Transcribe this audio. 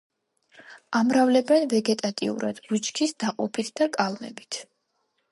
ამრავლებენ ვეგეტატიურად, ბუჩქის დაყოფით ან კალმებით.